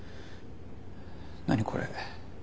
何これ。